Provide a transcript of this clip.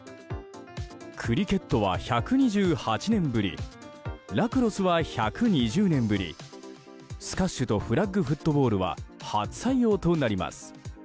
クリケットは１２８年ぶりラクロスは１２０年ぶりスカッシュとフラッグフットボールは初採用となります。